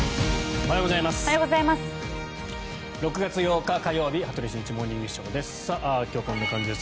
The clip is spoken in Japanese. おはようございます。